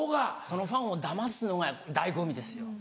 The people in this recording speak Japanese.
そのファンをだますのが醍醐味ですよ。